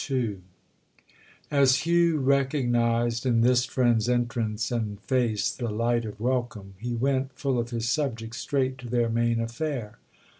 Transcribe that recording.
II As Hugh recognised in this friend's entrance and face the light of welcome he went, full of his subject, straight to their main affair.